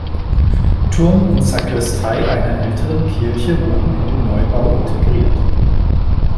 Turm und Sakristei einer älteren Kirche wurden in den Neubau integriert.